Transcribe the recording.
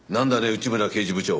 内村刑事部長。